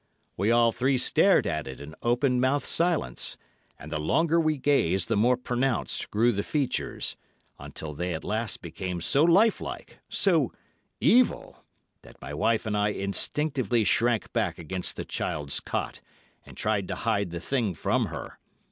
"We all three stared at it in open mouthed silence, and the longer we gazed, the more pronounced grew the features, until they at last became so lifelike, so evil, that my wife and I instinctively shrank back against the child's cot, and tried to hide the thing from her.